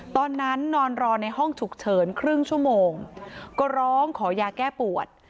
นอนรอในห้องฉุกเฉินครึ่งชั่วโมงก็ร้องขอยาแก้ปวด